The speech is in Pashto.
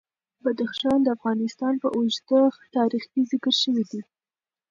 بدخشان د افغانستان په اوږده تاریخ کې ذکر شوی دی.